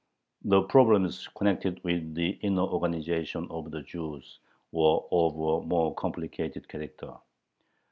The problems connected with the inner organization of the Jews were of a more complicated character.